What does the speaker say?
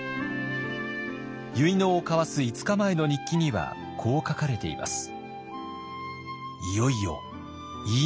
結納を交わす５日前の日記にはこう書かれています。